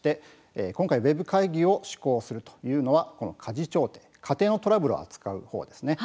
今回ウェブ会議を試行するというのはこの家事調停家庭のトラブルを扱うほうです。